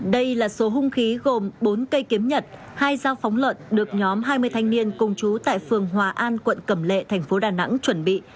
đây là số hung khí gồm bốn cây kiếm nhật hai dao phóng lợn được nhóm hai mươi thanh niên cùng chú tại phường hòa an quận cẩm lệ thành phố đà nẵng chuẩn bị